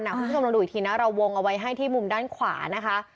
คุณผู้ชมลองดูอีกทีนะเราวงเอาไว้ให้ที่มุมด้านขวานะคะ